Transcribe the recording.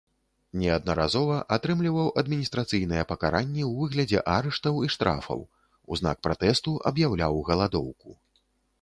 Неаднаразова атрымліваў адміністрацыйныя пакаранні ў выглядзе арыштаў і штрафаў, у знак пратэсту аб'яўляў галадоўку.